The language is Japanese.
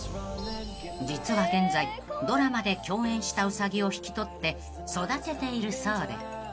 ［実は現在ドラマで共演したウサギを引き取って育てているそうで］